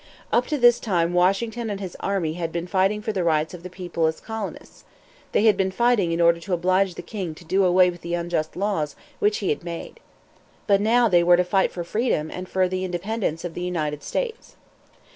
Up to this time Washington and his army had been fighting for the rights of the people as colonists. They had been fighting in order to oblige the king to do away with the unjust laws which he had made. But now they were to fight for freedom and for the independence of the United States.